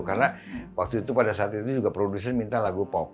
karena waktu itu pada saat itu juga produsen minta lagu pop